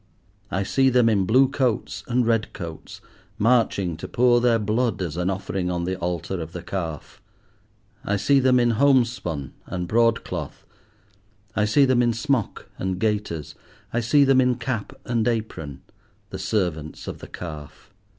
I see them in blue coats and red coats, marching to pour their blood as an offering on the altar of the Calf. I see them in homespun and broadcloth, I see them in smock and gaiters, I see them in cap and apron, the servants of the Calf.